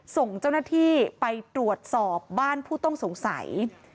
ส่งเจ้าหน้าที่ไปตรวจสอบบ้านผู้ต้องสงสัย